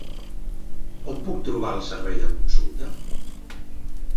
On puc trobar el servei de consulta?